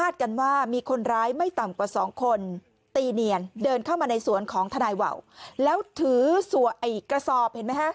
ตีเนียนเดินเข้ามาในสวนของทนายวาวแล้วถือสัวไอ้กระสอบเห็นไหมฮะ